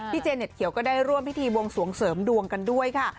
เจเน็ตเขียวก็ได้ร่วมพิธีบวงสวงเสริมดวงกันด้วยค่ะ